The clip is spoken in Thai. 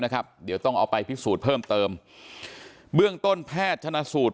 นะครับเดี๋ยวต้องเอาไปพิสูจน์เพิ่มเติมเบื้องต้นแพทย์ชนะสูตร